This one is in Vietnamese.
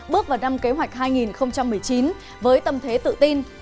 bước vào năm kế hoạch hai nghìn một mươi chín với tâm thế tự tin